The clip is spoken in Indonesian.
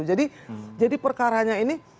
jadi jadi perkaranya ini